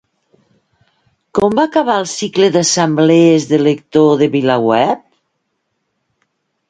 Com va acabar el cicle d'assemblees de lector de VilaWeb?